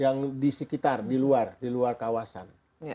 yang di sekitar di luar di luar kawasan